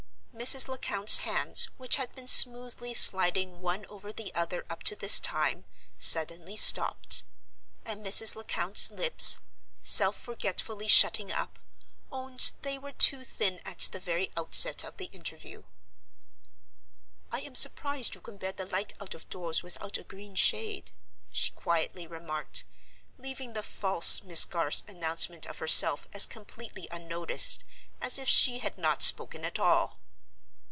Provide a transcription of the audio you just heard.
Mrs. Lecount's hands, which had been smoothly sliding one over the other up to this time, suddenly stopped; and Mrs. Lecount's lips, self forgetfully shutting up, owned they were too thin at the very outset of the interview. "I am surprised you can bear the light out of doors without a green shade," she quietly remarked; leaving the false Miss Garth's announcement of herself as completely unnoticed as it she had not spoken at all.